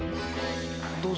どうぞ。